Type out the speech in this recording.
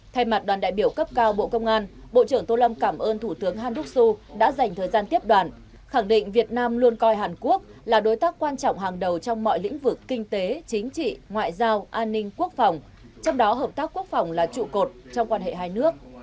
thay mặt đoàn đại biểu cấp cao bộ công an bộ trưởng tô lâm cảm ơn thủ tướng handock su đã dành thời gian tiếp đoàn khẳng định việt nam luôn coi hàn quốc là đối tác quan trọng hàng đầu trong mọi lĩnh vực kinh tế chính trị ngoại giao an ninh quốc phòng trong đó hợp tác quốc phòng là trụ cột trong quan hệ hai nước